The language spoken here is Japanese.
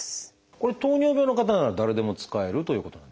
これ糖尿病の方なら誰でも使えるということなんですか？